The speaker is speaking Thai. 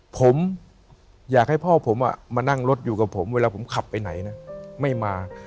ผมอยากให้พ่อผมมานั่งรถอยู่กับผมเวลาผมขับไปไหนนะไม่มา